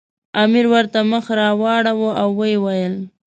امیر ورته مخ راواړاوه او ویې ویل.